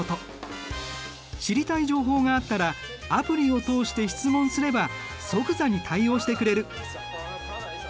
知りたい情報があったらアプリを通して質問すれば即座に対応してくれる。